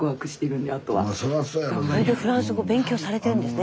スタジオそれでフランス語勉強されてるんですね